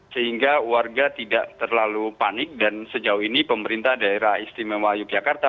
sehingga warga tidak terlalu panik dan sejauh ini pemerintah daerah istimewa yogyakarta